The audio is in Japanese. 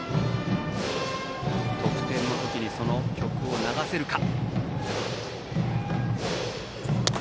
得点の時に、その曲を流せるか。